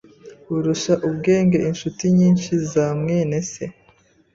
Urusha ubwenge inshuti nyinshi za mwene se.